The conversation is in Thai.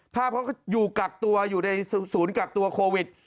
เขาก็อยู่กักตัวอยู่ในศูนย์กักตัวโควิด